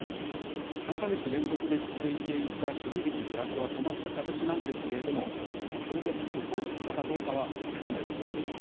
３か月連続で続いていた支持率下落は止まった形ですがこれで底を打ったかどうかは不透明だと思います。